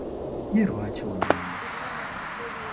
Ye lwaki onyiize?